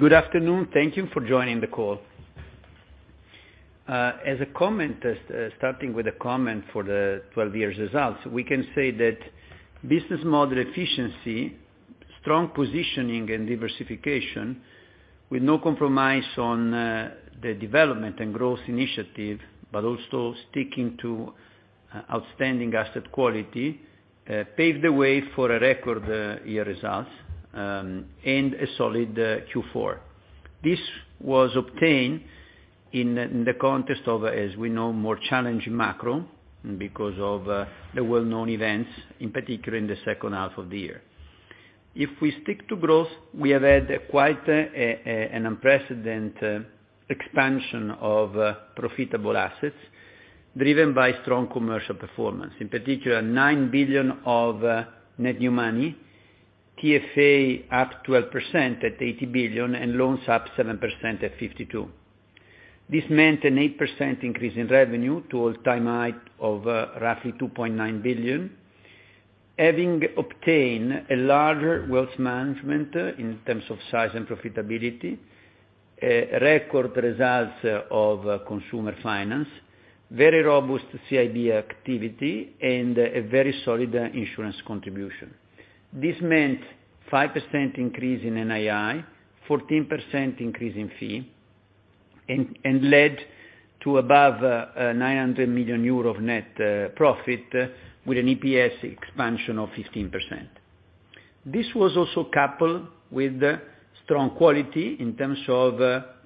Good afternoon. Thank you for joining the call. As a comment, starting with a comment for the 12-year results, we can say that business model efficiency, strong positioning and diversification with no compromise on the development and growth initiative, but also sticking to outstanding asset quality, paved the way for a record year results, and a solid Q4. This was obtained in the context of, as we know, more challenging macro because of the well-known events, in particular in the second half of the year. If we stick to growth, we have had quite an unprecedented expansion of profitable assets driven by strong commercial performance. In particular, 9 billion of net new money, TFA up 12% at 80 billion, and loans up 7% at 52 billion. This meant an 8% increase in revenue to all-time high of roughly 2.9 billion. Having obtained a larger Wealth Management in terms of size and profitability, record results of Consumer Finance, very robust CIB activity, and a very solid insurance contribution. This meant 5% increase in NII, 14% increase in fees, and led to above 900 million euro of net profit with an EPS expansion of 15%. This was also coupled with strong quality in terms of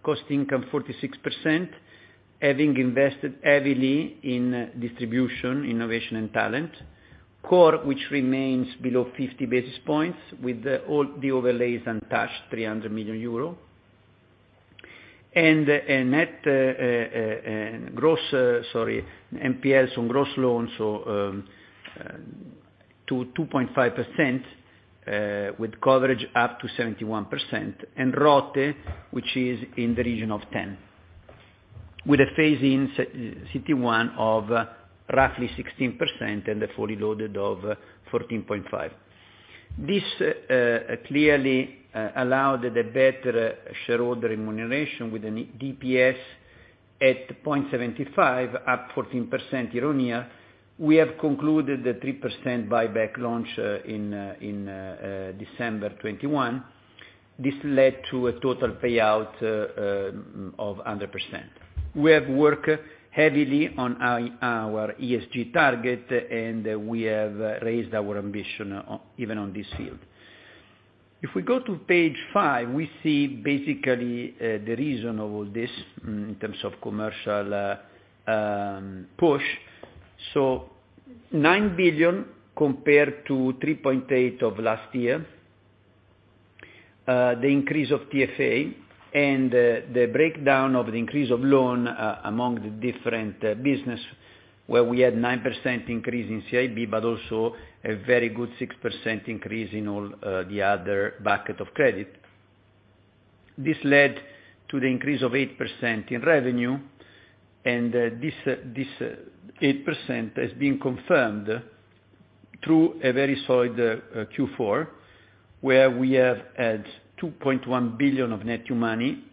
cost/income 46%, having invested heavily in distribution, innovation and talent. Cost of risk, which remains below 50 basis points with all the overlays untouched, EUR 300 million. Gross NPLs on gross loans 2%-2.5%, with coverage up to 71%. ROTE, which is in the region of 10%, with a phase-in CET1 of roughly 16% and a fully loaded of 14.5%. This clearly allowed the better shareholder remuneration with a DPS at 0.75, up 14% year-on-year. We have concluded the 3% buyback launch in December 2021. This led to a total payout of 100%. We have worked heavily on our ESG target, and we have raised our ambition even on this field. If we go to page five, we see basically the reason of all this in terms of commercial push. 9 billion compared to 3.8 billion of last year, the increase of TFA and the breakdown of the increase of loans among the different business, where we had 9% increase in CIB, but also a very good 6% increase in all the other bucket of credit. This led to the increase of 8% in revenue. This 8% has been confirmed through a very solid Q4, where we have had 2.1 billion of net new money,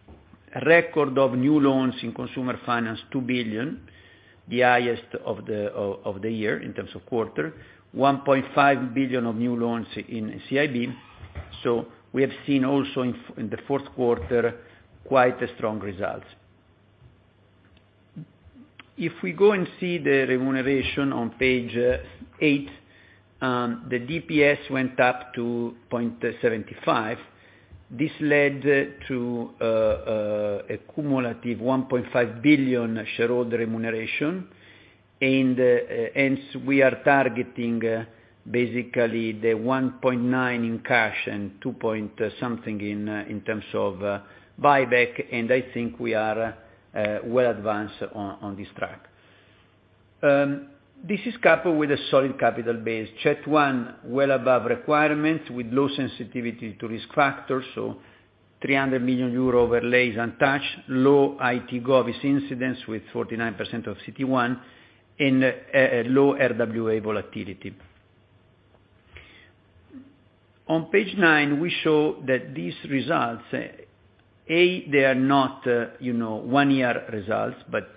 record of new loans in Consumer Finance, 2 billion, the highest of the year in terms of quarter, 1.5 billion of new loans in CIB. We have seen also in the fourth quarter, quite strong results. If we go and see the remuneration on page eight, the DPS went up to 0.75. This led to a cumulative 1.5 billion shareholder remuneration. Hence, we are targeting basically the 1.9 billion in cash and 2. something billion in terms of buyback, and I think we are well advanced on this track. This is coupled with a solid capital base. CET1, well above requirements with low sensitivity to risk factors, so 300 million euro overlays untouched, low IT GOV incidents with 49% of CET1, and a low RWA volatility. On page nine, we show that these results, they are not, you know, one-year results, but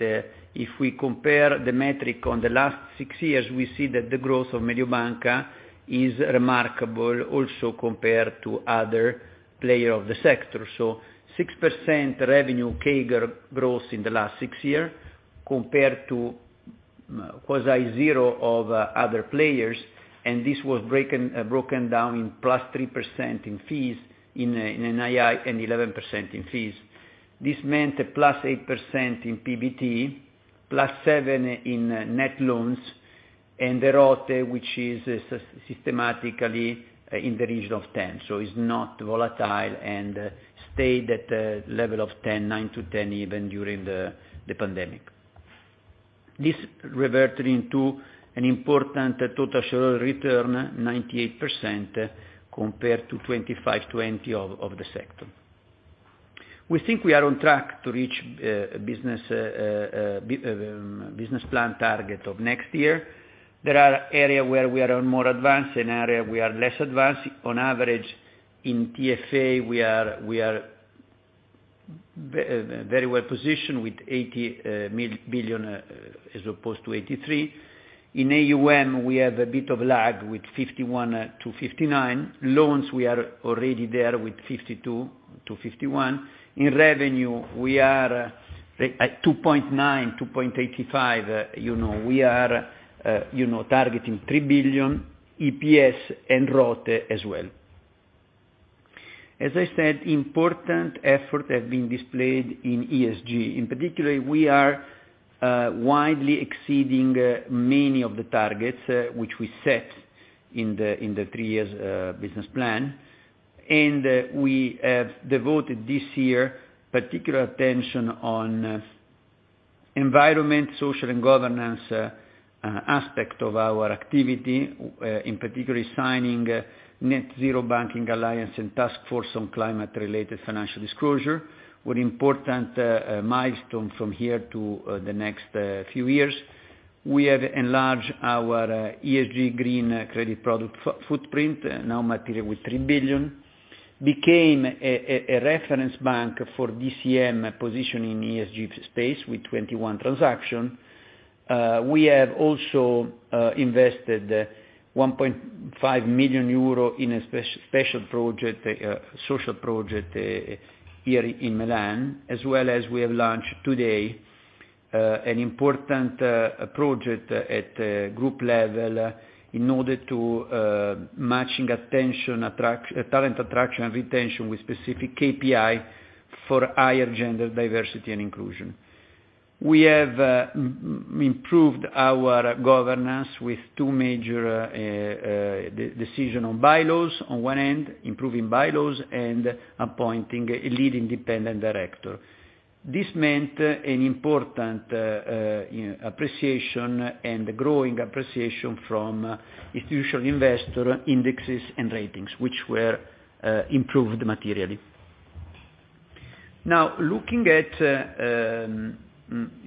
if we compare the metric on the last six years, we see that the growth of Mediobanca is remarkable also compared to other players in the sector. 6% revenue CAGR growth in the last six years compared to quasi-zero of other players, and this was broken down into +3% in fees and NII, and 11% in fees. This meant a +8% in PBT, +7% in net loans, and the ROTE, which is systematically in the region of 10%. It's not volatile and stayed at the level of 10%, 9%-10% even during the pandemic. This reverted into an important total shareholder return, 98%, compared to 25/20 of the sector. We think we are on track to reach business plan target of next year. There are areas where we are more advanced and areas we are less advanced. On average, in TFA, we are very well positioned with 80 billion, as opposed to 83 billion. In AUM, we have a bit of lag with 51 billion-59 billion. Loans, we are already there with 52 billion to 51 billion. In revenue, we are at 2.9 billion, 2.85 billion. You know, we are targeting 3 billion EPS and ROTE as well. As I said, important efforts have been displayed in ESG. In particular, we are widely exceeding many of the targets, which we set in the three-year business plan. We have devoted this year particular attention to environment, social, and governance aspects of our activity, in particular signing Net-Zero Banking Alliance and Task Force on Climate-related Financial Disclosures with important milestones from here to the next few years. We have enlarged our ESG green credit product footprint, now material with 3 billion. We became a reference bank for DCM position in ESG space with 21 transactions. We have also invested 1.5 million euro in a special social project here in Milan, as well as we have launched today an important project at group level in order to match and attract talent attraction and retention with specific KPI for higher gender diversity and inclusion. We have improved our governance with two major decisions on bylaws, on one hand improving bylaws, and appointing a lead independent director. This meant an important and growing appreciation from institutional investor indexes and ratings, which were improved materially. Now, looking at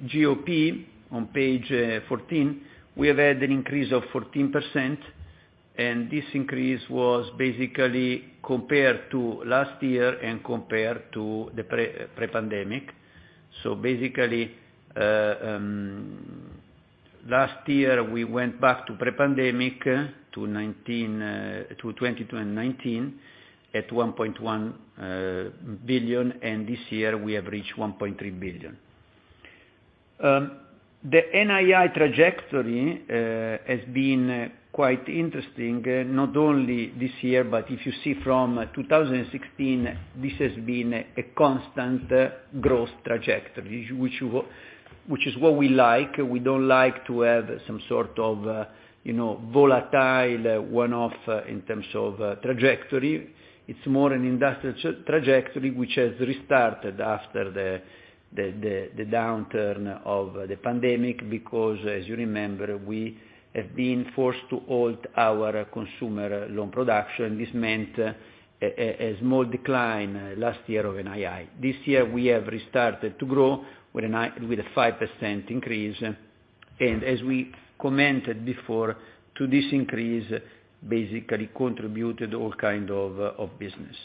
GOP on page 14, we have had an increase of 14%, and this increase was basically compared to last year and compared to the pre-pandemic. Basically, last year, we went back to pre-pandemic, 2020 to 2019 at 1.1 billion, and this year we have reached 1.3 billion. The NII trajectory has been quite interesting, not only this year, but if you see from 2016, this has been a constant growth trajectory, which is what we like. We don't like to have some sort of, you know, volatile one-off in terms of trajectory. It's more an industrial trajectory, which has restarted after the downturn of the pandemic, because as you remember, we have been forced to halt our consumer loan production. This meant a small decline last year of NII. This year, we have restarted to grow with a 5% increase. As we commented before, to this increase, basically contributed all kinds of business.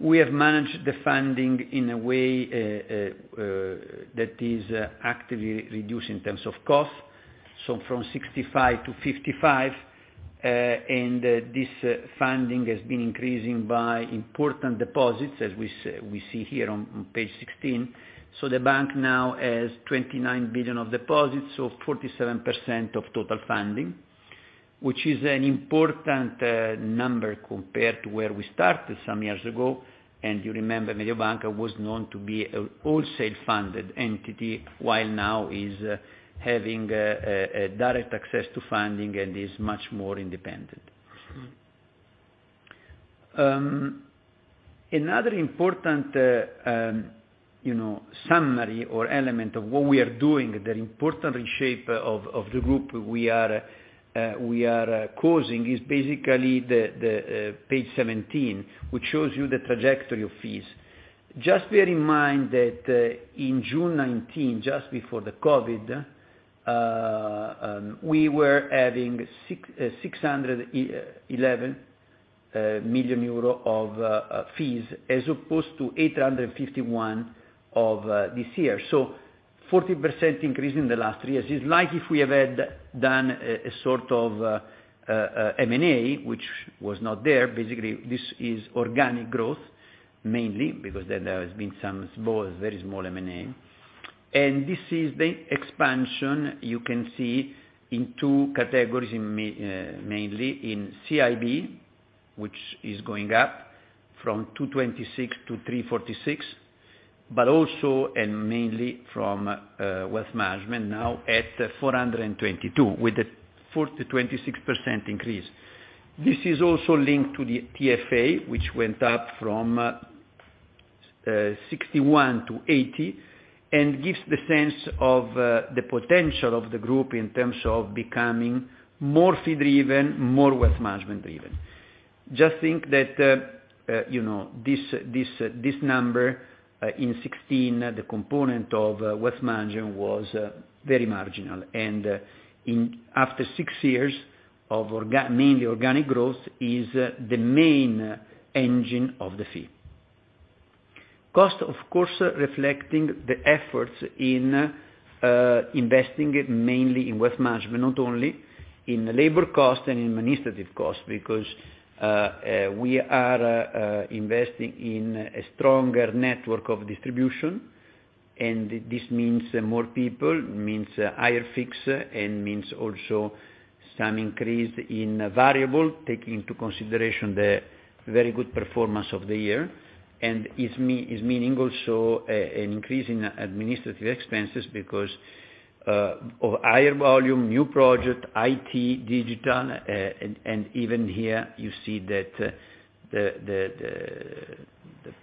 We have managed the funding in a way that is actively reduced in terms of cost, so from 65 to 55, and this funding has been increasing by important deposits, as we see here on page 16. The bank now has 29 billion of deposits, so 47% of total funding, which is an important number compared to where we started some years ago. You remember Mediobanca was known to be a wholesale-funded entity, while now is having a direct access to funding and is much more independent. Another important, you know, summary or element of what we are doing, the important shape of the group we are closing, is basically the page 17, which shows you the trajectory of fees. Just bear in mind that in June 2019, just before the COVID, we were having 611 million euro of fees, as opposed to 851 million of this year. So 40% increase in the last three years is like if we have had done a sort of M&A, which was not there. Basically, this is organic growth, mainly because there has been some small, very small M&A. This is the expansion you can see in two categories, mainly in CIB, which is going up from 226 million to 346 million, but also and mainly from wealth management now at 422 million, with a 4% to 26% increase. This is also linked to the TFA, which went up from 61 billion to 80 billion, and gives the sense of the potential of the group in terms of becoming more fee-driven, more wealth management-driven. Just think that, you know, this number in 2016, the component of wealth management was very marginal. In after six years of mainly organic growth is the main engine of the fee. Cost, of course, reflecting the efforts in investing mainly in Wealth Management, not only in labor cost and in administrative cost because we are investing in a stronger network of distribution, and this means more people, means higher fixed, and means also some increase in variable, taking into consideration the very good performance of the year. Is meaning also an increase in administrative expenses because of higher volume, new project, IT, digital, and even here you see that the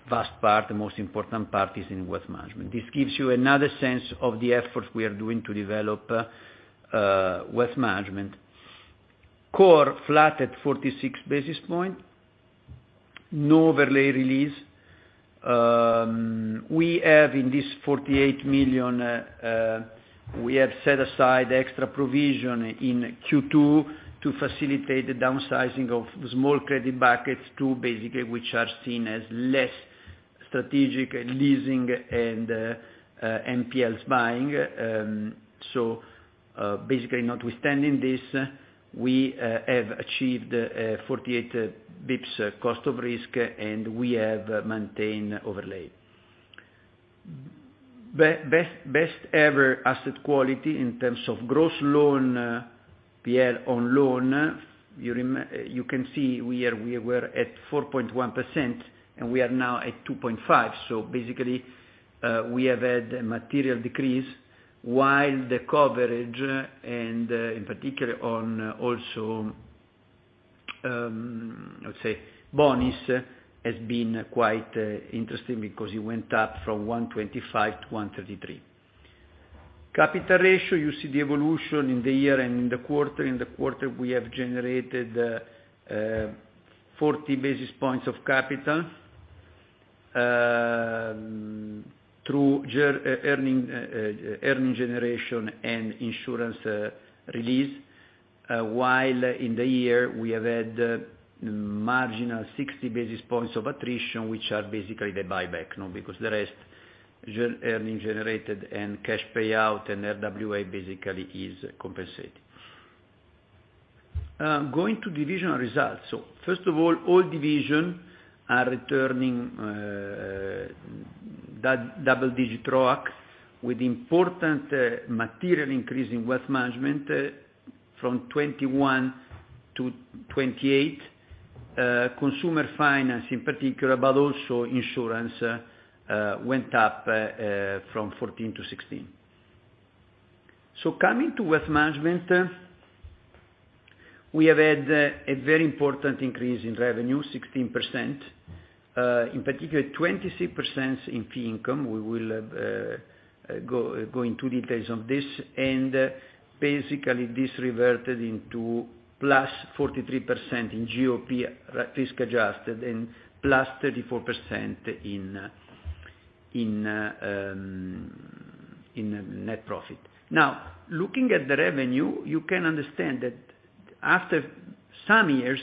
first part, the most important part is in Wealth Management. This gives you another sense of the efforts we are doing to develop Wealth Management. Core flat at 46 basis points. No overlay release. We have in this 48 million we have set aside extra provision in Q2 to facilitate the downsizing of the small credit buckets to basically, which are seen as less strategic leasing and NPLs buying. Basically notwithstanding this, we have achieved 48 basis points cost of risk, and we have maintained overlay. Best ever asset quality in terms of gross NPL on loans. You can see we were at 4.1%, and we are now at 2.5%, so basically we have had a material decrease, while the coverage and in particular on also let's say bond issue has been quite interesting because it went up from 125% to 133%. Capital ratio, you see the evolution in the year and in the quarter. In the quarter, we have generated 40 basis points of capital through earning generation and insurance release. While in the year, we have had marginal 60 basis points of attrition, which are basically the buyback, you know, because the rest earnings generated and cash payout and RWA basically is compensated. Going to division results. First of all divisions are returning double-digit ROACs with important material increase in Wealth Management from 21% to 28%. Consumer Finance in particular, but also insurance, went up from 14% to 16%. Coming to Wealth Management, we have had a very important increase in revenue, 16%, in particular, 23% in fee income. We will go into details on this. Basically, this reverted into +43% in GOP risk-adjusted and +34% in net profit. Now, looking at the revenue, you can understand that after some years,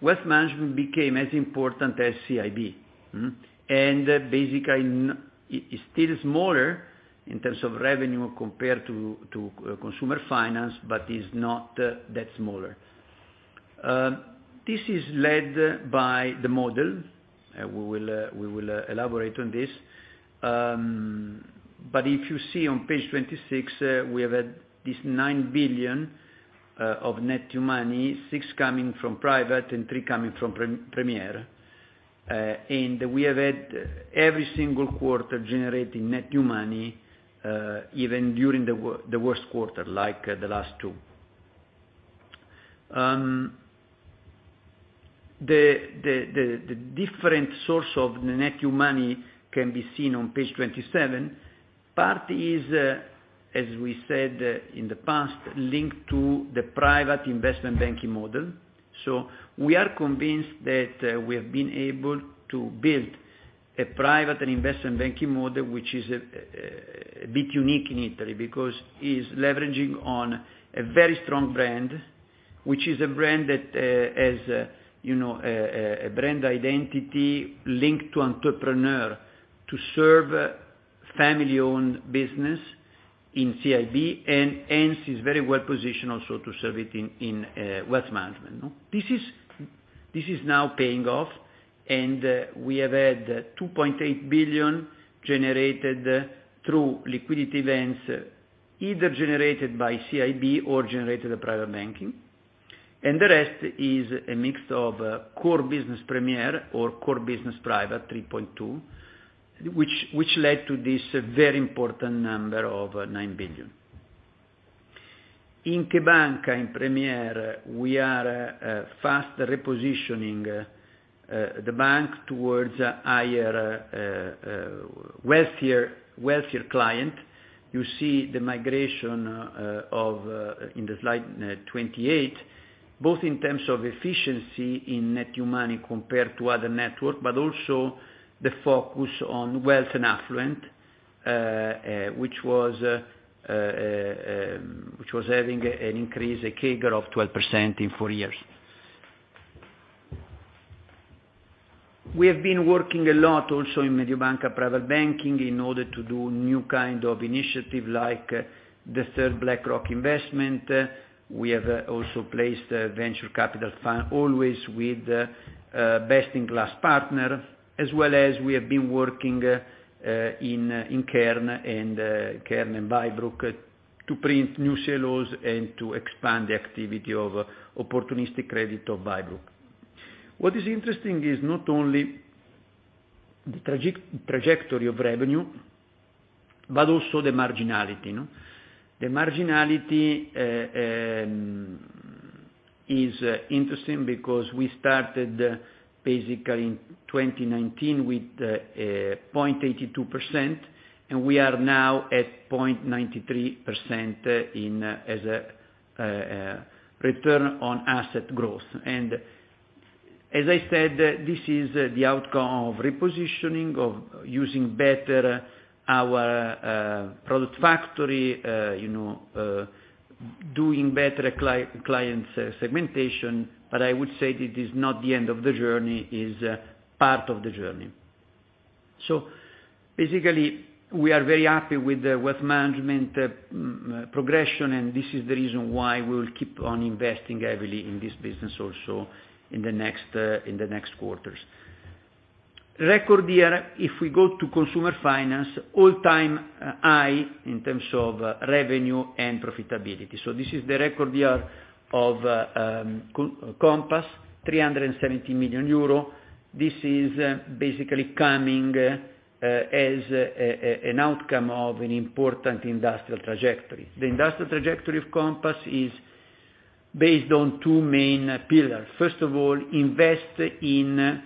Wealth Management became as important as CIB. Basically, it's still smaller in terms of revenue compared to Consumer Finance, but is not that smaller. This is led by the model. We will elaborate on this. But if you see on page 26, we have had this 9 billion of net new money, 6 billion coming from private and 3 billion coming from Premier. We have had every single quarter generating net new money, even during the worst quarter, like the last two. The different source of the net new money can be seen on page 27. Part is, as we said in the past, linked to the private investment banking model. We are convinced that we have been able to build a private and investment banking model, which is a bit unique in Italy because it's leveraging on a very strong brand, which is a brand that has, you know, a brand identity linked to entrepreneur to serve family-owned business in CIB and hence is very well-positioned also to serve it in wealth management. This is now paying off, and we have had 2.8 billion generated through liquidity events, either generated by CIB or generated by private banking. The rest is a mix of core business Premier or core business private 3.2, which led to this very important number of 9 billion. In CheBanca! and Premier, we are fast repositioning the bank towards a higher wealthier client. You see the migration in the slide number 28, both in terms of efficiency in net new money compared to other network, but also the focus on wealth and affluent which was having an increase, a CAGR of 12% in four years. We have been working a lot also in Mediobanca Private Banking in order to do new kind of initiative like the third BlackRock investment. We have also placed a venture capital fund always with best-in-class partner, as well as we have been working in Cairn and Bybrook to print new CLOs and to expand the activity of opportunistic credit of Bybrook. What is interesting is not only the trajectory of revenue, but also the marginality, no? The marginality is interesting because we started basically in 2019 with 0.82%, and we are now at 0.93% in as a return on asset growth. This is the outcome of repositioning, of using better our product factory, you know, doing better client segmentation, but I would say it is not the end of the journey, is part of the journey. Basically, we are very happy with the Wealth Management progression, and this is the reason why we will keep on investing heavily in this business also in the next quarters. Record year, if we go to Consumer Finance, all-time high in terms of revenue and profitability. This is the record year of Compass, 370 million euro. This is basically coming as an outcome of an important industrial trajectory. The industrial trajectory of Compass is based on two main pillars. First of all, invest in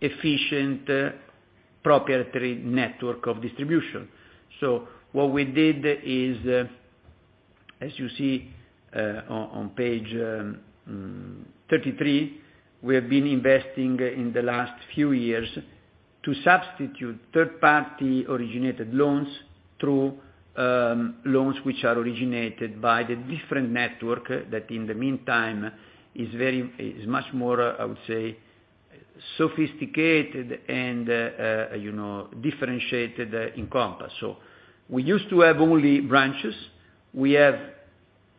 efficient proprietary network of distribution. What we did is, as you see, on page 33, we have been investing in the last few years to substitute third-party originated loans through loans which are originated by the different network that in the meantime is much more, I would say, sophisticated and you know, differentiated in Compass. We used to have only branches. We have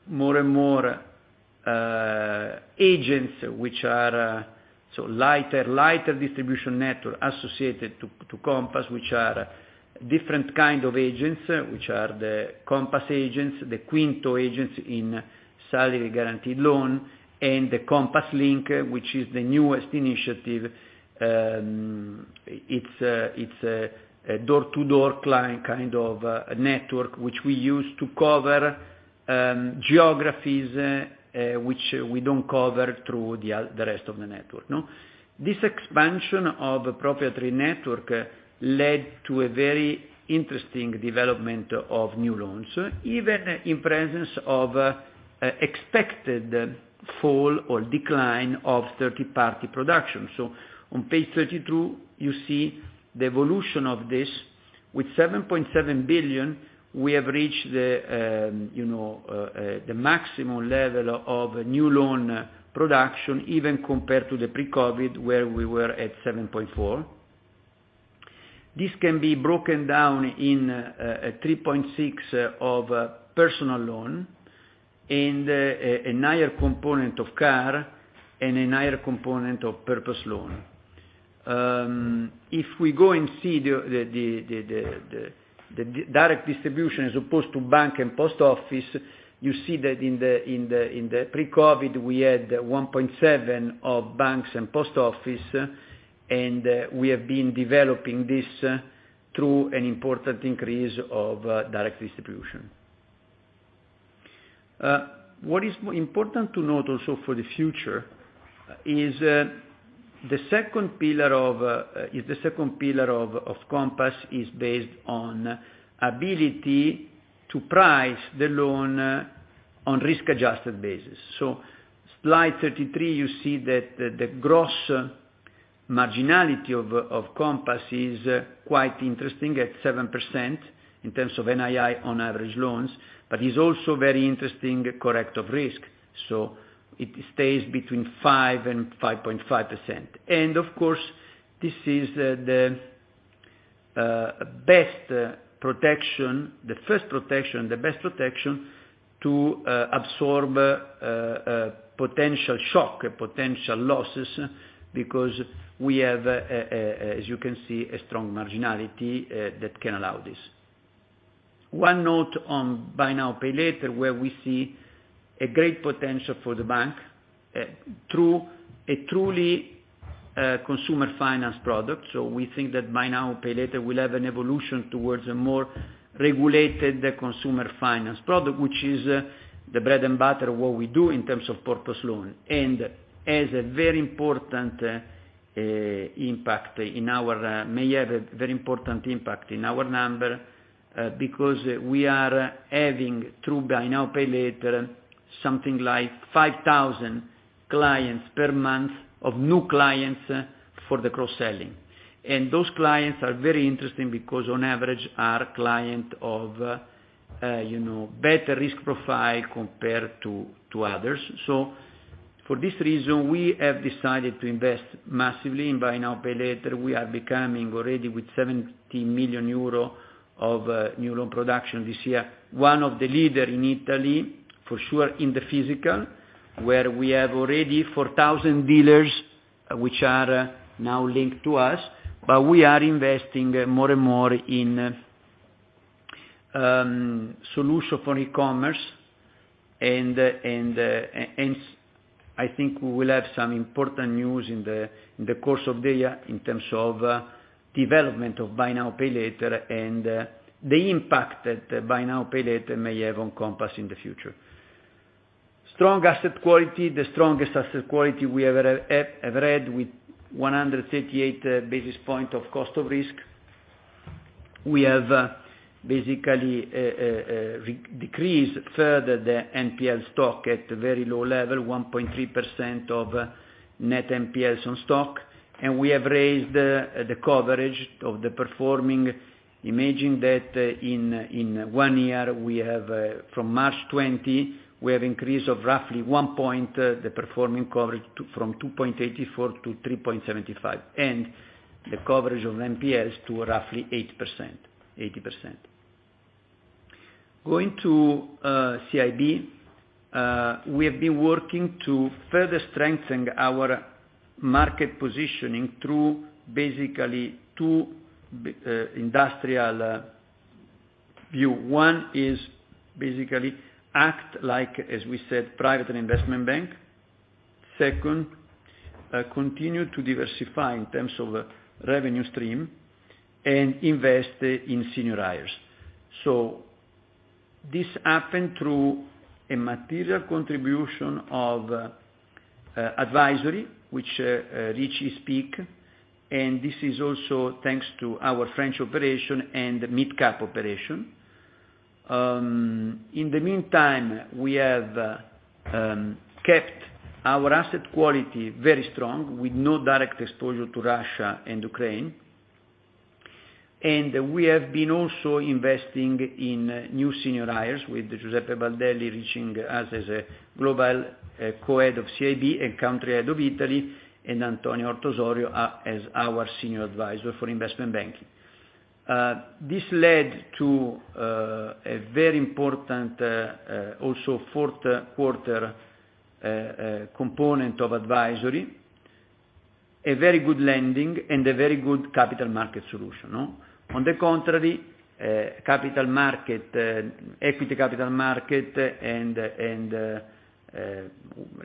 more and more agents which are so lighter distribution network associated to Compass, which are different kind of agents, which are the Compass agents, the Quinto agents in salary guaranteed loan, and the Compass Link, which is the newest initiative. It's a door-to-door client kind of network, which we use to cover geographies, which we don't cover through the rest of the network, no? This expansion of proprietary network led to a very interesting development of new loans, even in presence of expected fall or decline of third-party production. On page 32, you see the evolution of this. With 7.7 billion, we have reached the, you know, the maximum level of new loan production, even compared to the pre-COVID, where we were at 7.4 billion. This can be broken down in a 3.6% of personal loan and a higher component of car and a higher component of purchase loan. If we go and see the direct distribution as opposed to bank and post office, you see that in the pre-COVID, we had 1.7% of banks and post office, and we have been developing this through an important increase of direct distribution. What is important to note also for the future is the second pillar of Compass is based on ability to price the loan on risk-adjusted basis. Slide 33, you see that the gross marginality of Compass is quite interesting at 7% in terms of NII on average loans, but is also very interesting cost of risk. It stays between 5%-5.5%. Of course, this is the best protection, the first protection to absorb potential shock, potential losses, because we have, as you can see, a strong marginality that can allow this. One note on Buy Now, Pay Later, where we see a great potential for the bank through a truly consumer finance product. We think that Buy Now, Pay Later will have an evolution towards a more regulated consumer finance product, which is the bread and butter of what we do in terms of personal loan. It may have a very important impact in our number, because we are having through Buy Now, Pay Later, something like 5,000 clients per month of new clients for the cross-selling. Those clients are very interesting because on average, are client of, you know, better risk profile compared to others. For this reason, we have decided to invest massively in Buy Now, Pay Later. We are becoming already with 70 million euro of new loan production this year, one of the leader in Italy for sure in the physical, where we have already 4,000 dealers which are now linked to us, but we are investing more and more in solution for e-commerce and I think we will have some important news in the course of the year in terms of development of Buy Now, Pay Later, and the impact that Buy Now, Pay Later may have on Compass in the future. Strong asset quality, the strongest asset quality we ever had, with 138 basis points of cost of risk. We have basically decreased further the NPL stock at a very low level, 1.3% of net NPLs on stock, and we have raised the coverage of the performing. Imagine that in one year, we have from March 2020 increased by roughly 1 point the performing coverage from 2.84 to 3.75, and the coverage of NPLs to roughly 80%. Going to CIB, we have been working to further strengthen our market positioning through basically two industrial views. One is basically act like, as we said, private investment bank. Second, continue to diversify in terms of revenue stream and invest in senior hires. This happened through a material contribution of advisory, which reach its peak, and this is also thanks to our French operation and the midcap operation. In the meantime, we have kept our asset quality very strong with no direct exposure to Russia and Ukraine. We have been also investing in new senior hires with Giuseppe Baldelli reaching us as a global co-head of CIB and country head of Italy and António Horta-Osório as our senior advisor for investment banking. This led to a very important also fourth quarter component of advisory, a very good lending, and a very good capital market solution, no? On the contrary, capital markets, equity capital markets and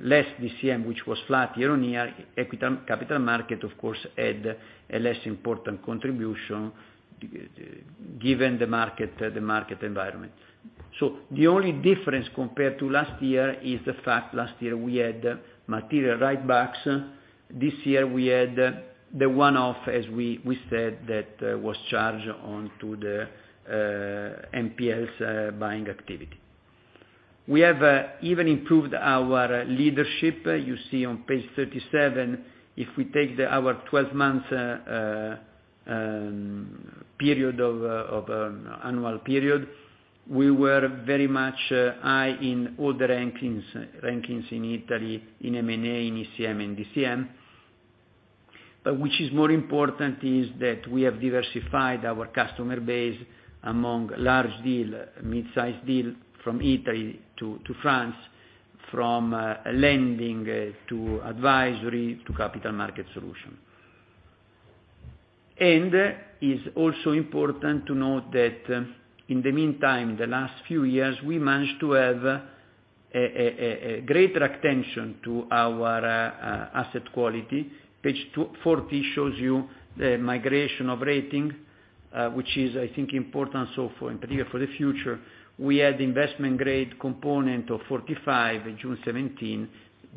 less DCM, which was flat year-on-year, equity capital markets, of course, had a less important contribution given the market environment. The only difference compared to last year is the fact last year we had material write-backs. This year we had the one-off, as we said that was charged to the NPLs buying activity. We have even improved our leadership. You see on page 37, if we take our 12-month annual period, we were very much high in all the rankings in Italy, in M&A, in ECM and DCM. Which is more important is that we have diversified our customer base among large deal, midsize deal from Italy to France, from lending to advisory to capital market solution. It's also important to note that in the meantime, the last few years, we managed to have a greater attention to our asset quality. Page 240 shows you the migration of rating, which is, I think, important, in particular, for the future. We had investment grade component of 45% in June 2017.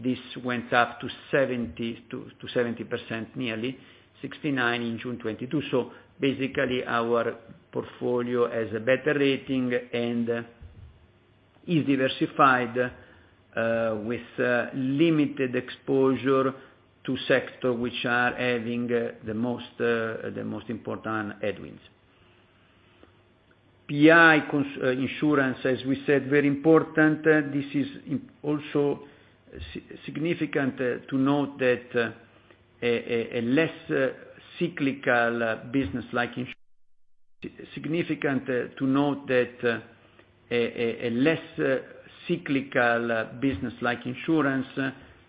This went up to 70%, nearly. 69% in June 2022. Basically, our portfolio has a better rating and is diversified with limited exposure to sectors which are having the most important headwinds. PI insurance, as we said, very important. This is also significant to note that a less cyclical business like insurance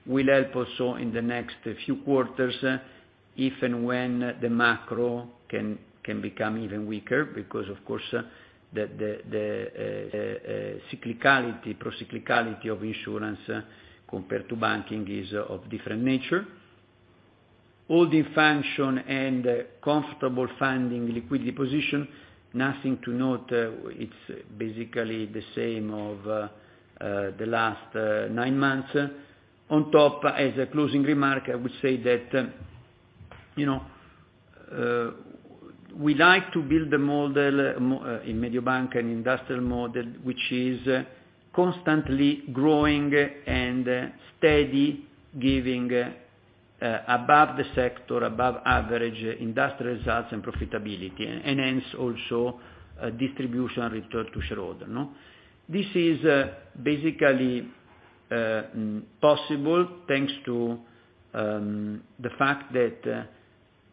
will help also in the next few quarters, if and when the macro can become even weaker because, of course, the pro-cyclicality of insurance compared to banking is of different nature. Holding function and comfortable funding liquidity position, nothing to note. It's basically the same as the last nine months. On top, as a closing remark, I would say that, you know, we like to build the model in Mediobanca, an industrial model, which is constantly growing and steady, giving above the sector, above average industrial results and profitability, and hence also a distribution return to shareholder, no? This is basically possible thanks to the fact that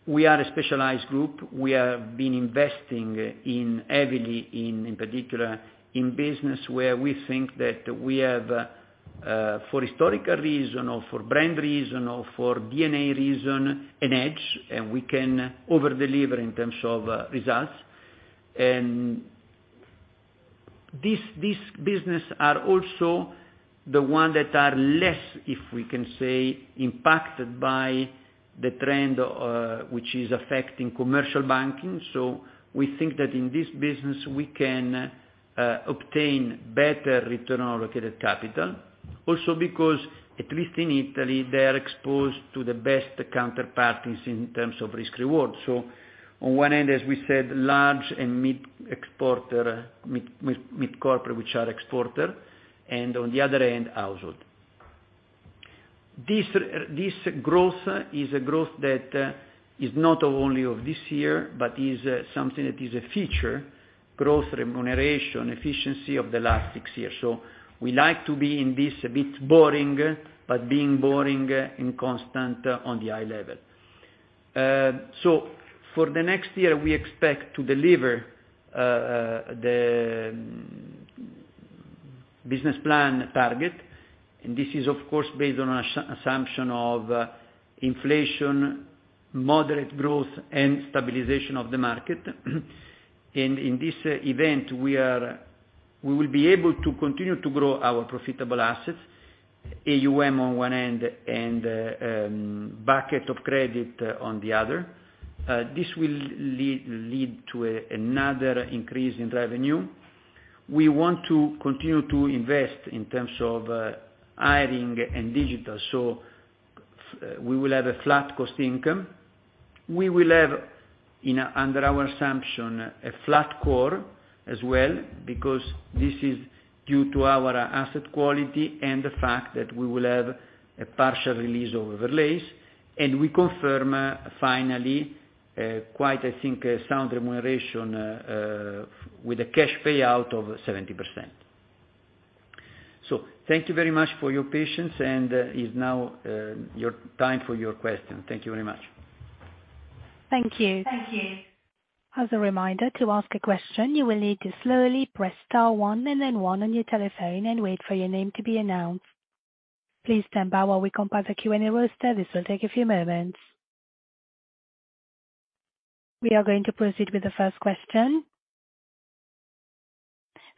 we are a specialized group. We have been investing heavily in particular in business where we think that we have for historical reason or for brand reason or for DNA reason an edge, and we can over-deliver in terms of results. This business are also the one that are less, if we can say, impacted by the trend which is affecting commercial banking. We think that in this business we can obtain better return on allocated capital. Also because, at least in Italy, they are exposed to the best counterparties in terms of risk reward. On one end, as we said, large and mid exporter, mid corporate, which are exporter, and on the other end, household. This growth is a growth that is not only of this year, but is something that is a future growth, remuneration, efficiency of the last six years. We like to be in this a bit boring, but being boring and constant on the high level. For the next year, we expect to deliver the business plan target. This is, of course, based on assumption of inflation, moderate growth and stabilization of the market. In this event, we will be able to continue to grow our profitable assets, AUM on one end and bucket of credit on the other. This will lead to another increase in revenue. We want to continue to invest in terms of hiring and digital, so we will have a flat cost income. We will have in, under our assumption, a flat core as well, because this is due to our asset quality and the fact that we will have a partial release of overlays. We confirm, finally, quite, I think, a sound remuneration, with a cash payout of 70%. Thank you very much for your patience and is now, your time for your question. Thank you very much. Thank you. As a reminder, to ask a question, you will need to slowly press star one and then one on your telephone and wait for your name to be announced. Please stand by while we compile the Q&A roster. This will take a few moments. We are going to proceed with the first question.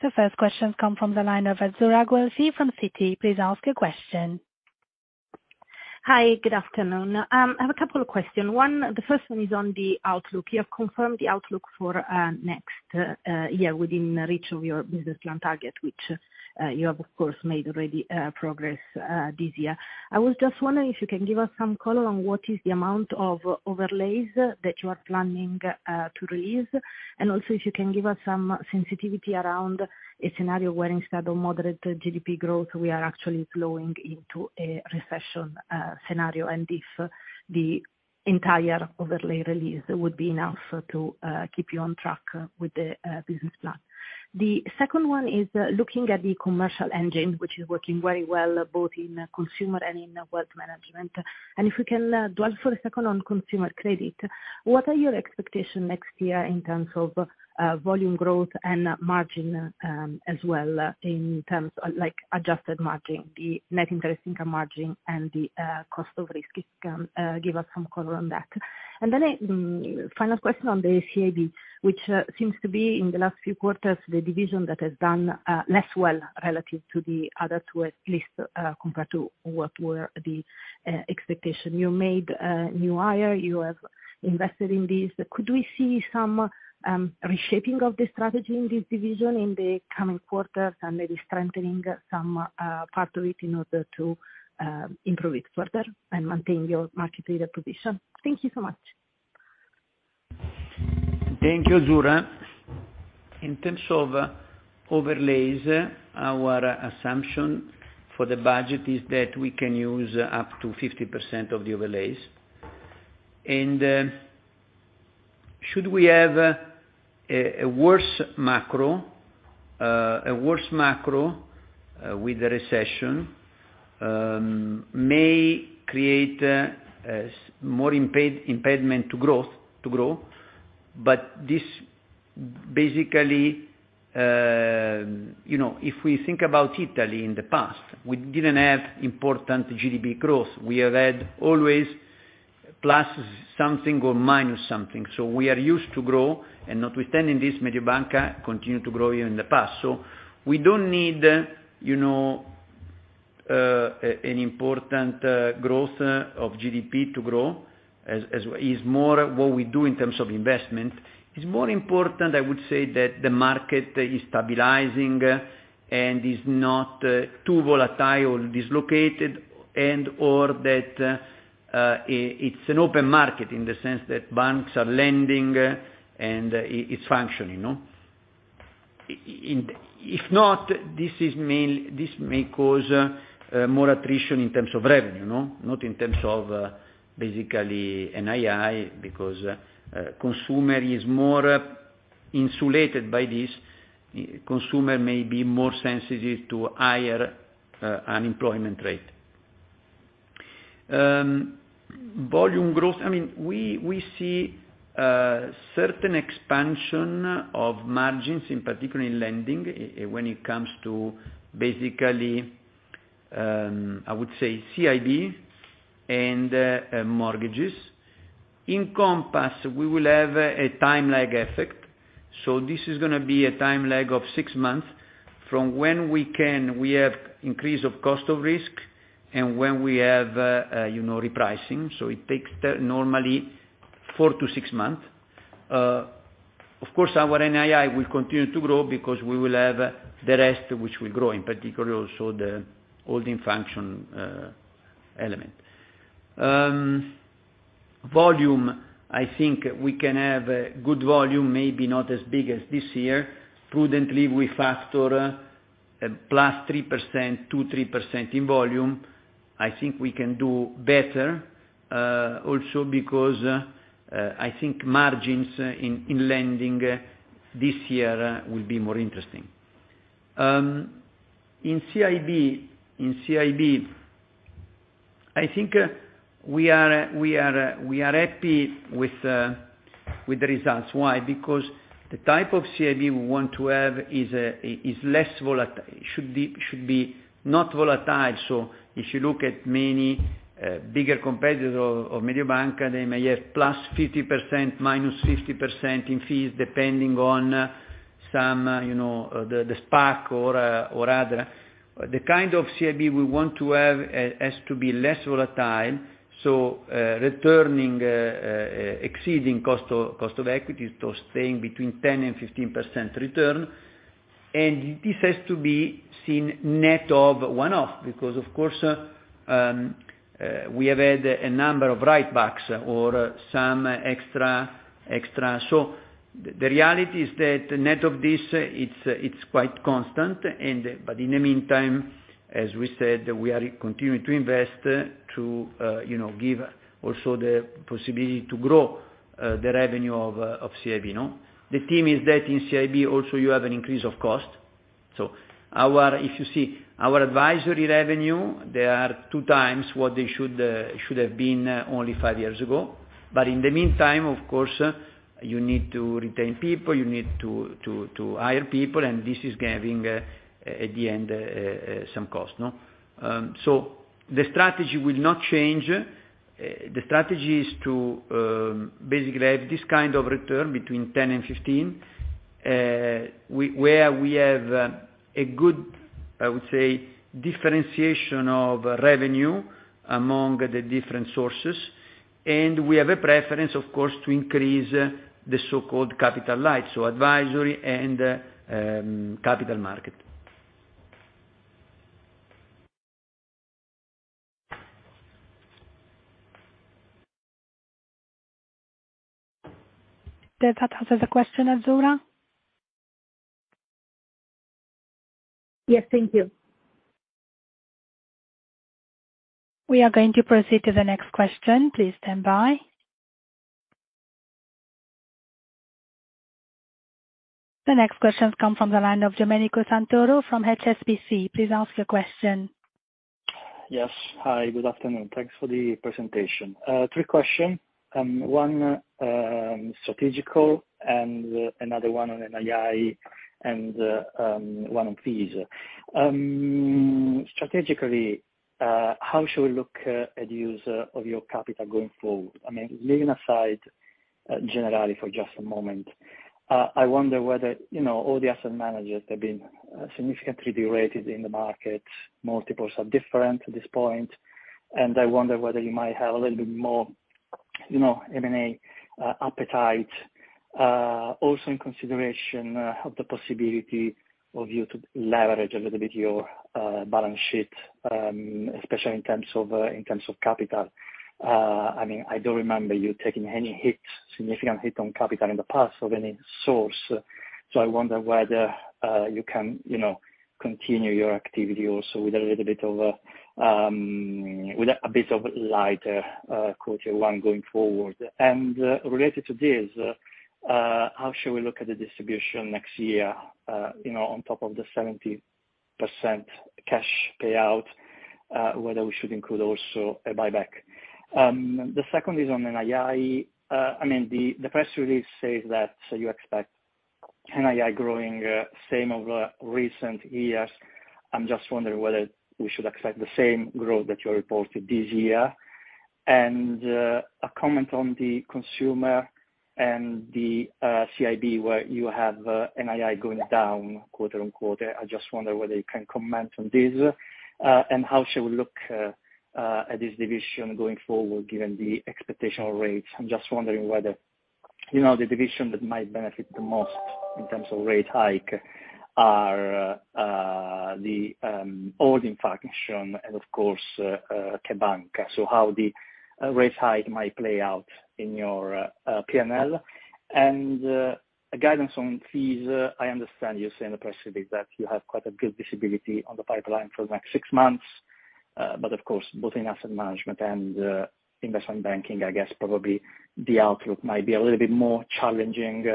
The first question come from the line of Azzurra Guelfi from Citi. Please ask your question. Hi, good afternoon. I have a couple of questions. One, the first one is on the outlook. You have confirmed the outlook for next year within reach of your business plan target, which you have of course made already progress this year. I was just wondering if you can give us some color on what is the amount of overlays that you are planning to release, and also if you can give us some sensitivity around a scenario where instead of moderate GDP growth, we are actually flowing into a recession scenario, and if the entire overlay release would be enough to keep you on track with the business plan. The second one is looking at the commercial engine, which is working very well, both in consumer and in wealth management. If we can dwell for a second on consumer credit, what are your expectation next year in terms of volume growth and margin, as well, in terms of like adjusted margin, the net interest income margin and the cost of risk? If you can give us some color on that. Final question on the CIB, which seems to be in the last few quarters, the division that has done less well relative to the other two, at least compared to what were the expectation. You made a new hire, you have invested in this. Could we see some reshaping of the strategy in this division in the coming quarters and maybe strengthening some part of it in order to improve it further and maintain your market leader position? Thank you so much. Thank you, Azzurra. In terms of overlays, our assumption for the budget is that we can use up to 50% of the overlays. Should we have a worse macro with the recession, may create a more impediment to growth. This basically, you know, if we think about Italy in the past, we didn't have important GDP growth. We have had always plus something or minus something. We are used to grow, and notwithstanding this, Mediobanca continued to grow even in the past. We don't need, you know, an important growth of GDP to grow, as it is more what we do in terms of investment. It's more important, I would say, that the market is stabilizing and is not too volatile or dislocated and/or that it's an open market in the sense that banks are lending and it's functioning, no? If not, this may cause more attrition in terms of revenue, no? Not in terms of, basically, NII because consumer is more insulated by this. Consumer may be more sensitive to higher unemployment rate. Volume growth, I mean, we see certain expansion of margins, in particular in lending, when it comes to basically, I would say CIB and mortgages. In Compass, we will have a time lag effect, so this is gonna be a time lag of six months from when we have increase of cost of risk and when we have, you know, repricing. It takes normally four to six months. Of course, our NII will continue to grow because we will have the rest which will grow, in particular also the holding function element. Volume, I think we can have a good volume, maybe not as big as this year. Prudently, we factor a +3% to 3% in volume. I think we can do better, also because I think margins in lending this year will be more interesting. In CIB, I think we are happy with the results. Why? Because the type of CIB we want to have is less volatile. If you look at many bigger competitors of Mediobanca, they may have +50%, -50% in fees, depending on some the spark or other. The kind of CIB we want to have has to be less volatile, so returning exceeding cost of equity to staying between 10% and 15% return. This has to be seen net of one-off because, of course, we have had a number of write-backs or some extra. The reality is that net of this it's quite constant, but in the meantime, as we said, we are continuing to invest to give also the possibility to grow the revenue of CIB, no? The thing is that in CIB also you have an increase of cost. If you see our advisory revenue, they are 2x what they should have been only five years ago. In the meantime, of course, you need to retain people, you need to hire people, and this is giving at the end some cost, no? The strategy will not change. The strategy is to basically have this kind of return between 10% and 15%, where we have a good, I would say, differentiation of revenue among the different sources. We have a preference, of course, to increase the so-called capital light, so advisory and capital market. Did that answer the question, Azzurra? Yes. Thank you. We are going to proceed to the next question. Please stand by. The next question come from the line of Domenico Santoro from HSBC. Please ask the question. Yes. Hi, good afternoon. Thanks for the presentation. Three questions, one strategic and another one on NII and one on fees. Strategically, how should we look at use of your capital going forward? I mean, leaving aside Generali for just a moment, I wonder whether, you know, all the asset managers have been significantly derated in the market, multiples are different at this point, and I wonder whether you might have a little bit more, you know, M&A appetite, also in consideration of the possibility of you to leverage a little bit your balance sheet, especially in terms of capital. I mean, I don't remember you taking any hits, significant hit on capital in the past of any source, so I wonder whether you can, you know, continue your activity also with a little bit of, with a bit of lighter quarter one going forward. Related to this, how should we look at the distribution next year, you know, on top of the 70% cash payout, whether we should include also a buyback? The second is on NII. I mean, the press release says that so you expect NII growing same over recent years. I'm just wondering whether we should expect the same growth that you reported this year. A comment on the consumer and the CIB, where you have NII going down quarter-on-quarter. I just wonder whether you can comment on this, and how should we look at this division going forward given the expected rates? I'm just wondering whether, you know, the division that might benefit the most in terms of rate hike are the holding function and of course CheBanca!. How the rate hike might play out in your P&L. A guidance on fees. I understand you say in the press release that you have quite a good visibility on the pipeline for the next six months. Of course, both in asset management and investment banking, I guess probably the outlook might be a little bit more challenging.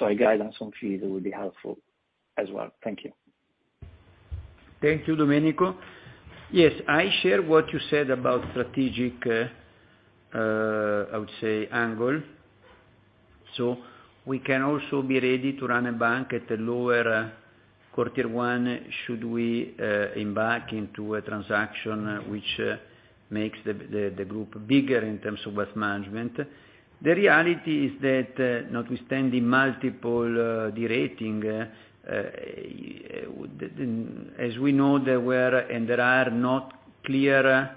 A guidance on fees will be helpful as well. Thank you. Thank you, Domenico. Yes, I share what you said about strategic, I would say angle. We can also be ready to run a bank at a lower quarter one, should we embark into a transaction which makes the group bigger in terms of Wealth Management. The reality is that notwithstanding multiple derating, as we know there were and there are not clear,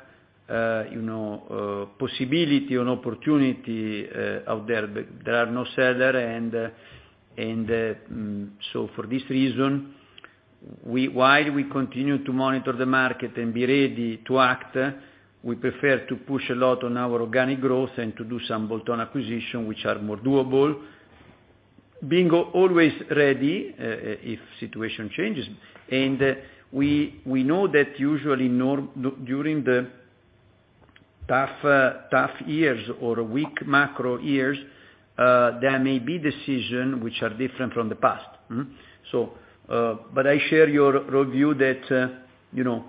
you know, possibility or opportunity out there. There are no seller and so for this reason, while we continue to monitor the market and be ready to act, we prefer to push a lot on our organic growth and to do some bolt-on acquisition which are more doable, being always ready, if situation changes. We know that usually during the tough years or weak macro years, there may be decisions which are different from the past. But I share your review that, you know,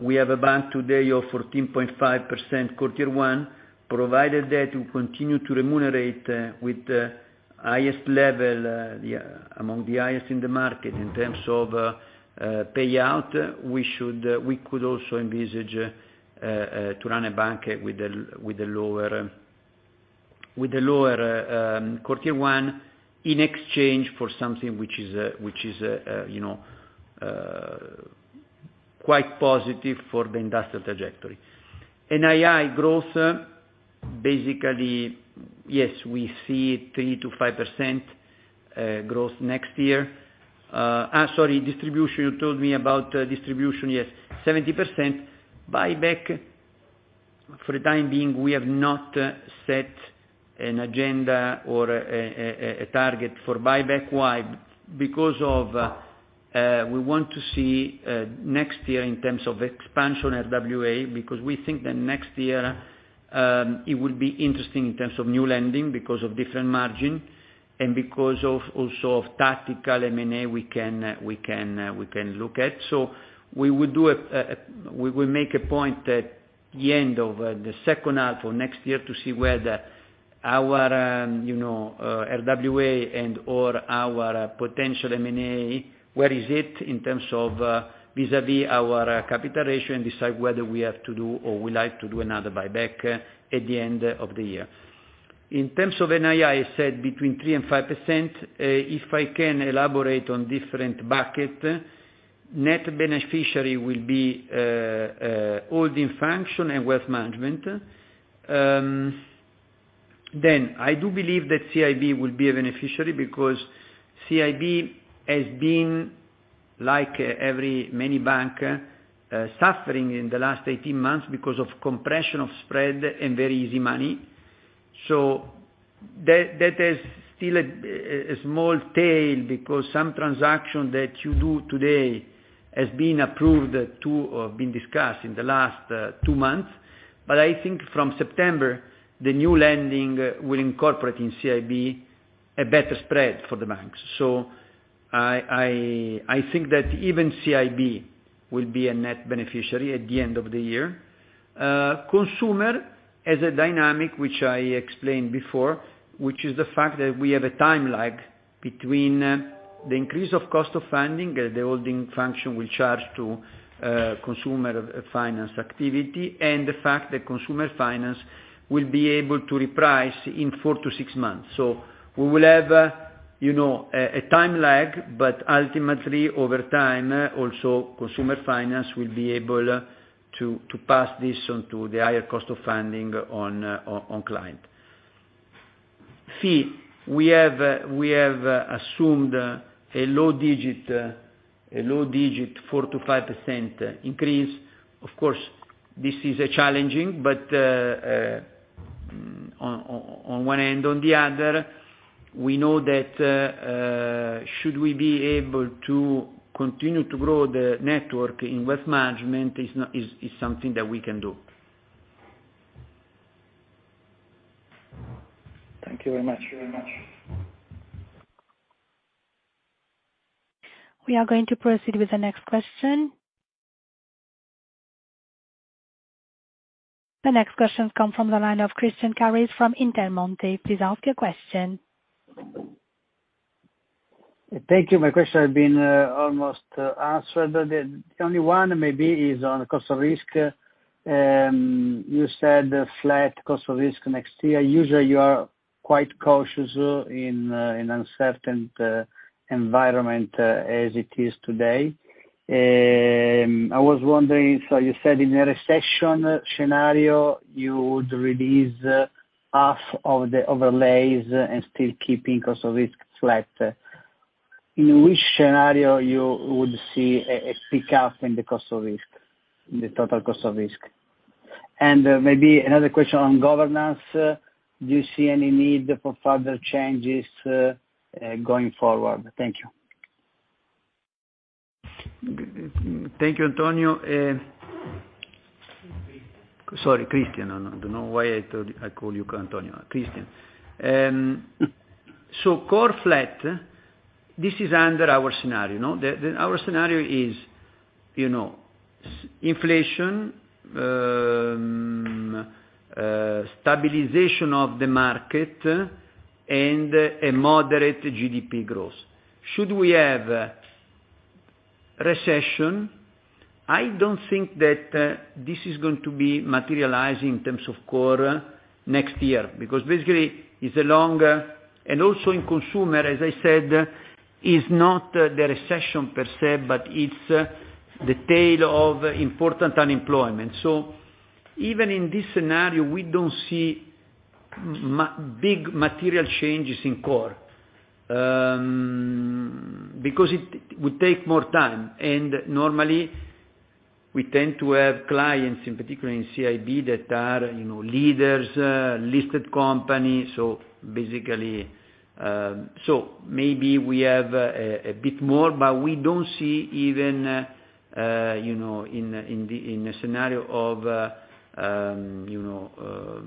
we have a bank today of 14.5% CET1, provided that we continue to remunerate with the highest level, among the highest in the market in terms of payout. We should, we could also envisage to run a bank with a lower CET1, in exchange for something which is, you know, quite positive for the industrial trajectory. NII growth, basically. Yes, we see 3%-5% growth next year. Sorry, distribution. You told me about distribution. Yes, 70%. Buyback, for the time being, we have not set an agenda or a target for buyback. Why? Because we want to see next year in terms of expansion at RWA, because we think that next year it will be interesting in terms of new lending because of different margin, and because of also of tactical M&A we can look at. We will make a point at the end of the second half of next year to see whether our you know RWA and/or our potential M&A, where is it in terms of vis-à-vis our capital ratio, and decide whether we have to do or we like to do another buyback at the end of the year. In terms of NII, I said between 3% and 5%, if I can elaborate on different bucket, net beneficiary will be holding function and Wealth Management. I do believe that CIB will be a beneficiary because CIB has been, like every major bank, suffering in the last 18 months because of compression of spread and very easy money. That is still a small tail because some transaction that you do today has been approved too or been discussed in the last two months. I think from September, the new lending will incorporate in CIB a better spread for the banks. I think that even CIB will be a net beneficiary at the end of the year. Consumer has a dynamic, which I explained before, which is the fact that we have a time lag between the increase of cost of funding, the holding function will charge to Consumer Finance activity, and the fact that Consumer Finance will be able to reprice in four to six months. We will have, you know, a time lag, but ultimately, over time, also Consumer Finance will be able to pass this on to the higher cost of funding on clients. Fees, we have assumed a low single-digit 4%-5% increase. Of course, this is challenging, but on one hand, on the other, we know that should we be able to continue to grow the network in Wealth Management is something that we can do. Thank you very much. We are going to proceed with the next question. The next question comes from the line of Christian Carrese from Intermonte. Please ask your question. Thank you. My question has been almost answered. The only one maybe is on cost of risk. You said flat cost of risk next year. Usually, you are quite cautious in uncertain environment as it is today. I was wondering, so you said in a recession scenario, you would release half of the overlays and still keeping cost of risk flat. In which scenario you would see a pick-up in the cost of risk, the total cost of risk? Maybe another question on governance, do you see any need for further changes going forward? Thank you. Thank you, Antonio. Sorry, Christian. I don't know why I told you. I call you Antonio. Christian. Core flat, this is under our scenario, you know. Our scenario is, you know, inflation, stabilization of the market, and a moderate GDP growth. Should we have recession, I don't think that this is going to be materialized in terms of core next year. Because basically, it's a long. And also in consumer, as I said, is not the recession per se, but it's the tail of important unemployment. Even in this scenario, we don't see major material changes in core, because it would take more time. Normally, we tend to have clients, in particular in CIB, that are, you know, leaders, listed companies. Basically, maybe we have a bit more, but we don't see even you know in a scenario of you know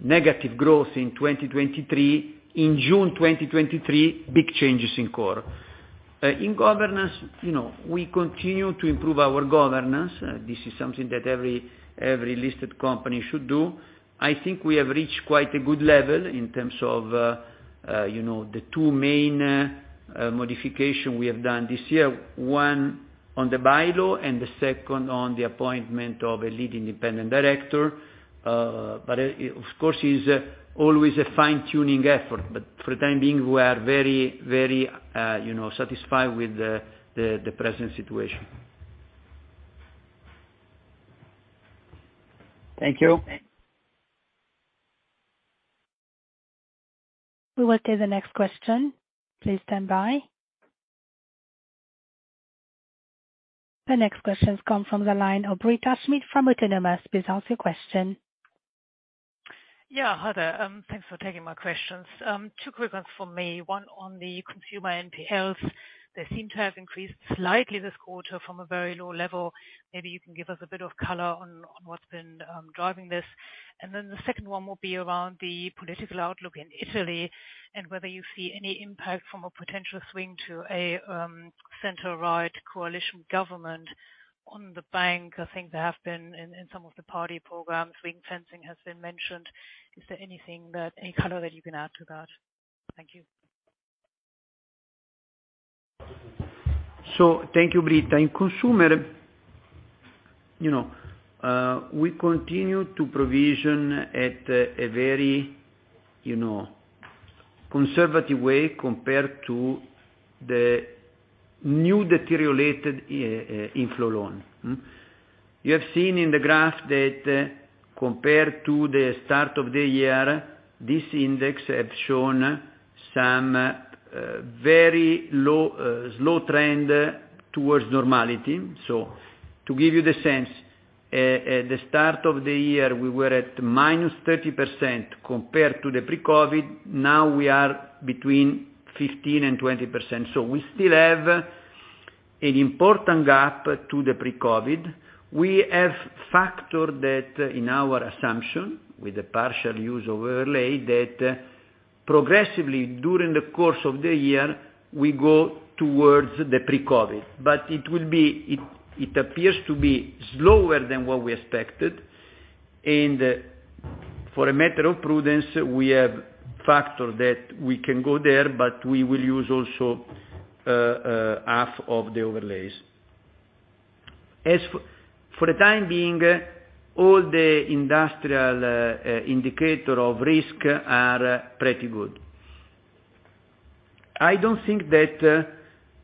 negative growth in 2023, in June 2023, big changes in core governance. You know, we continue to improve our governance. This is something that every listed company should do. I think we have reached quite a good level in terms of you know the two main modification we have done this year. One, on the bylaw, and the second on the appointment of a lead independent director. Of course, is always a fine-tuning effort. For the time being, we are very you know satisfied with the present situation. Thank you. We will take the next question. Please stand by. The next question come from the line of Britta Schmidt from Autonomous. Please ask your question. Yeah, hi there. Thanks for taking my questions. Two quick ones from me, one on the consumer NPLs. They seem to have increased slightly this quarter from a very low level. Maybe you can give us a bit of color on what's been driving this. The second one will be around the political outlook in Italy and whether you see any impact from a potential swing to a center-right coalition government on the bank. I think there have been in some of the party programs, ring-fencing has been mentioned. Is there anything, any color that you can add to that? Thank you. Thank you, Britta. In consumer, you know, we continue to provision at a very conservative way compared to the newly deteriorated inflow loans. You have seen in the graph that compared to the start of the year, this index has shown some very slow trend towards normality. To give you the sense, at the start of the year, we were at -30% compared to the pre-COVID. Now we are between 15% and 20%. We still have an important gap to the pre-COVID. We have factored that in our assumption with the partial use overlay that progressively during the course of the year we go towards the pre-COVID. It appears to be slower than what we expected, and for a matter of prudence, we have factored that we can go there, but we will use also half of the overlays. As for the time being, all the industrial indicator of risk are pretty good. I don't think that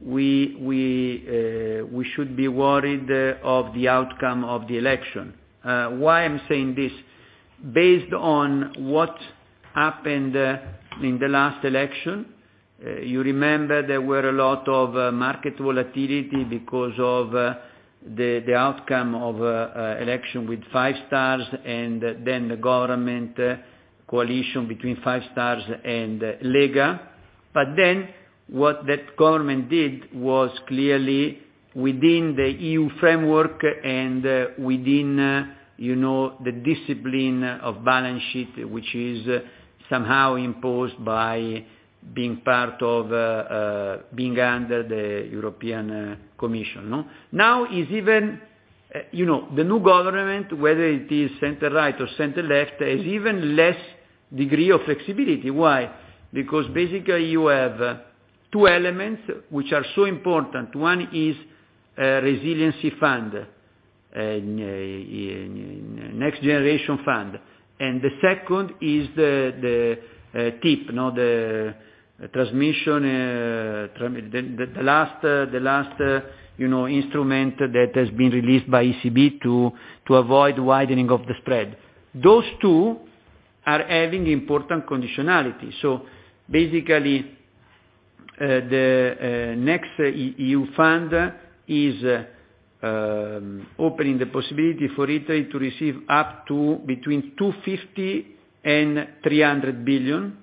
we should be worried of the outcome of the election. Why I'm saying this? Based on what happened in the last election, you remember there were a lot of market volatility because of the outcome of election with Five Star and then the government coalition between Five Star and Lega. What that government did was clearly within the EU framework and within, you know, the discipline of balance sheet, which is somehow imposed by being part of, being under the European Commission, no? Now it's even, you know, the new government, whether it is center right or center left, has even less degree of flexibility. Why? Because basically, you know, two elements which are so important. One is, resiliency fund, next generation fund. And the second is the TPI, you know, the transmission, the last instrument that has been released by ECB to avoid widening of the spread. Those two are having important conditionality. Basically, the next EU fund is opening the possibility for Italy to receive up to between 250 billion and 300 billion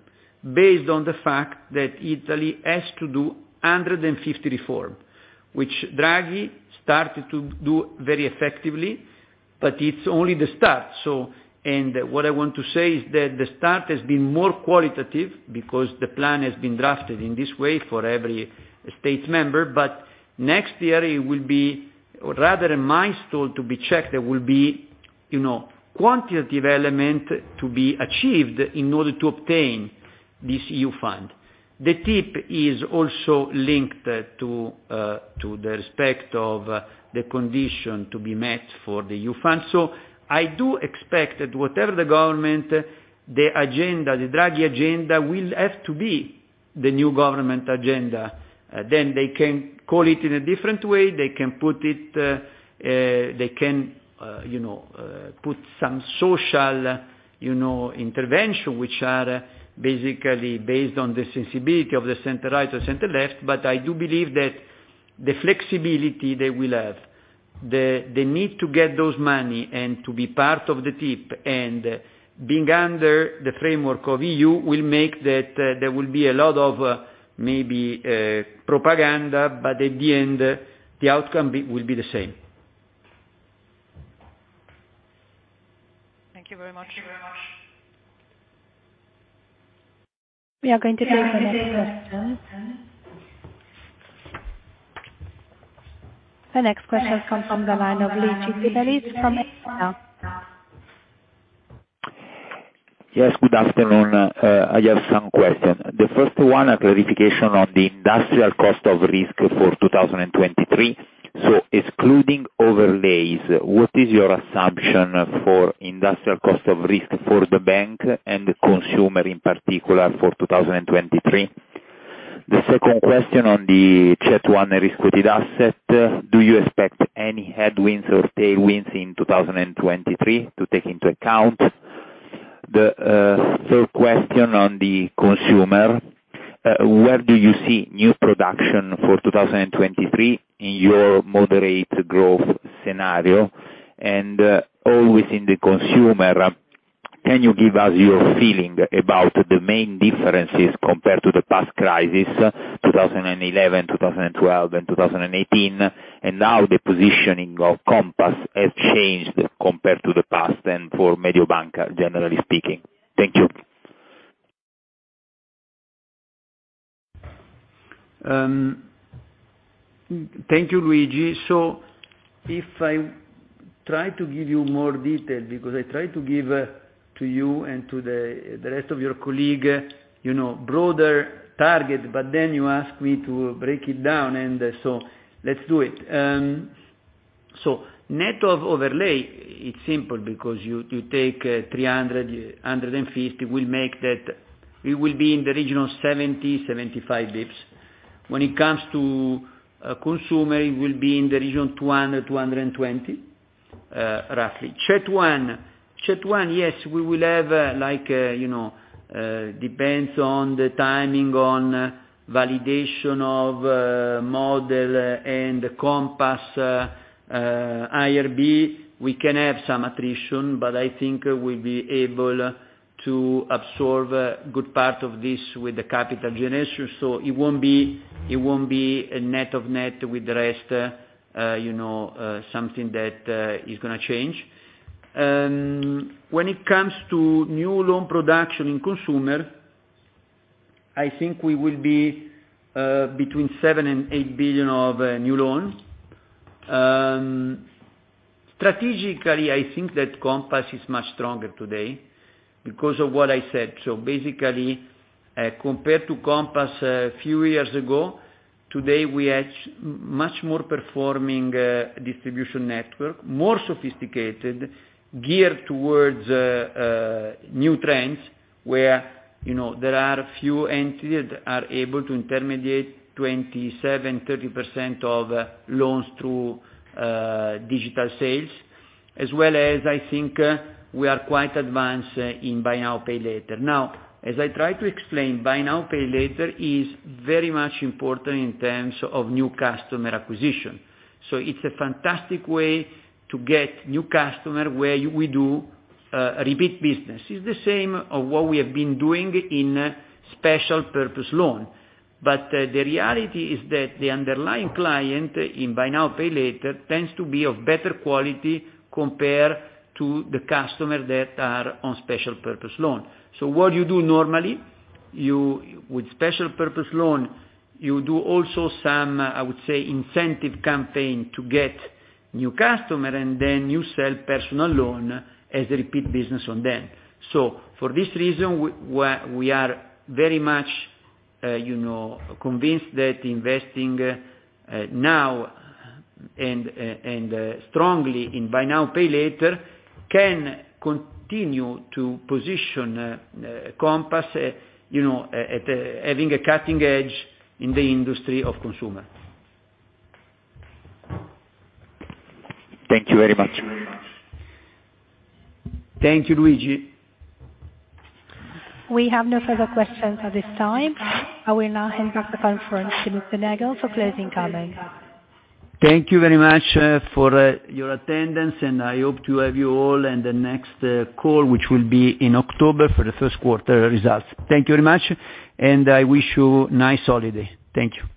based on the fact that Italy has to do 150 reform, which Draghi started to do very effectively, but it's only the start. What I want to say is that the start has been more qualitative because the plan has been drafted in this way for every member state, but next year it will be rather a milestone to be checked. There will be, you know, quantitative element to be achieved in order to obtain this EU fund. The TPI is also linked to the respect of the condition to be met for the EU fund. I do expect that whatever the government, the agenda, the Draghi agenda will have to be the new government agenda. They can call it in a different way. They can put some social, you know, intervention, which are basically based on the sensibility of the center right or center left. I do believe that the flexibility they will have, the need to get those money and to be part of the TPI and being under the framework of EU will make that there will be a lot of, maybe, propaganda, but at the end, the outcome will be the same. Thank you very much. We are going to take the next question. The next question comes from the line of Luigi De Bellis from Equita. Yes, good afternoon. I have some question. The first one, a clarification on the industrial cost of risk for 2023. Excluding overlays, what is your assumption for industrial cost of risk for the bank and the consumer in particular, for 2023? The second question on the CET1 risk-weighted asset, do you expect any headwinds or tailwinds in 2023 to take into account? The third question on the consumer, where do you see new production for 2023 in your moderate growth scenario? Always in the consumer, can you give us your feeling about the main differences compared to the past crisis, 2011, 2012, and 2018? Now the positioning of Compass has changed compared to the past and for Mediobanca, generally speaking. Thank you. Thank you, Luigi. If I try to give you more detail, because I try to give to you and to the rest of your colleagues, you know, broader target, but then you ask me to break it down, and so let's do it. Net of overlay, it's simple because you take 350. We will be in the region of 70, 75 basis points. When it comes to consumer, it will be in the region 220, roughly. CET1, yes, we will have, like, you know, depends on the timing on validation of model and the Compass IRB. We can have some attrition, but I think we'll be able to absorb a good part of this with the capital generation. It won't be a net of net with the rest, you know, something that is gonna change. When it comes to new loan production in consumer, I think we will be between 7 billion and 8 billion of new loans. Strategically, I think that Compass is much stronger today because of what I said. Basically, compared to Compass a few years ago, today we have much more performing distribution network, more sophisticated, geared towards new trends where, you know, there are a few entities that are able to intermediate 27%, 30% of loans through digital sales. As well as I think we are quite advanced in Buy Now, Pay Later. Now, as I try to explain, Buy Now, Pay Later is very much important in terms of new customer acquisition. It's a fantastic way to get new customer where we do repeat business. It's the same as what we have been doing in special purpose loan. The reality is that the underlying client in Buy Now, Pay Later tends to be of better quality compared to the customer that are on special purpose loan. What you do normally, you with special purpose loan, you do also some, I would say, incentive campaign to get new customer, and then you sell personal loan as a repeat business on them. For this reason, we are very much, you know, convinced that investing now and strongly in Buy Now, Pay Later can continue to position Compass, you know, at having a cutting edge in the consumer industry. Thank you very much. Thank you, Luigi. We have no further questions at this time. I will now hand back the conference to Mr. Nagel for closing comments. Thank you very much for your attendance, and I hope to have you all in the next call, which will be in October for the first quarter results. Thank you very much, and I wish you nice holiday. Thank you.